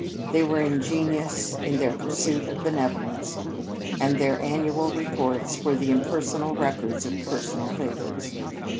They were ingenious in their pursuit of benevolences, and their annual reports were the impersonal records of personal labors.